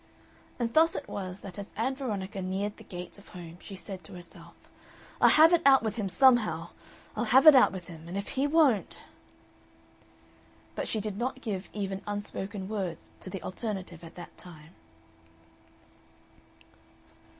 And thus it was that as Ann Veronica neared the gates of home, she said to herself: "I'll have it out with him somehow. I'll have it out with him. And if he won't " But she did not give even unspoken words to the alternative at that time.